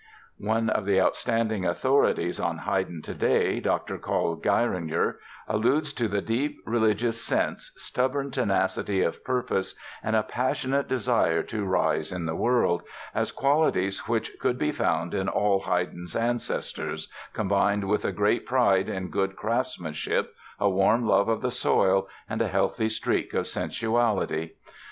One of the outstanding authorities on Haydn today, Dr. Karl Geiringer, alludes to the "deep religious sense, stubborn tenacity of purpose and a passionate desire to rise in the world" as qualities which could be found in all Haydn's ancestors, "combined with a great pride in good craftsmanship, a warm love of the soil and a healthy streak of sensuality."